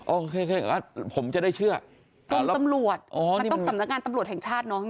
โอเคผมจะได้เชื่อต้องตำรวจอ๋อมันต้องสำนักงานตำรวจแห่งชาติเนอะ